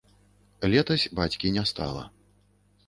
Летась бацькі не стала.